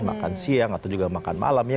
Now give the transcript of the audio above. makan siang atau juga makan malam ya